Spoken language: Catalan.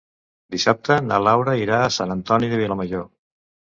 Dissabte na Laura irà a Sant Antoni de Vilamajor.